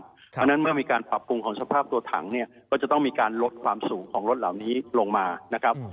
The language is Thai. เพราะฉะนั้นเมื่อมีการปรับปรุงของสภาพตัวถังเนี่ยก็จะต้องมีการลดความสูงของรถเหล่านี้ลงมานะครับ